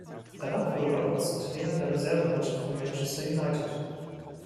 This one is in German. Danach wurde Robertson Trainer der Reservemannschaft von Manchester United.